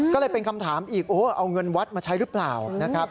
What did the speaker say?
ก็เลยเป็นคำถามอีกโอ้เอาเงินวัดมาใช้หรือเปล่านะครับ